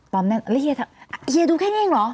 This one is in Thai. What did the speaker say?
ปลอมแน่นอนแล้วเฮียดูแค่นี้หรือ